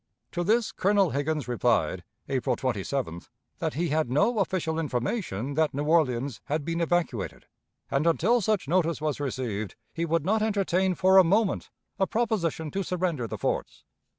To this Colonel Higgins replied, April 27th, that he had no official information that New Orleans had been evacuated, and until such notice was received he would not entertain for a moment a proposition to surrender the forts.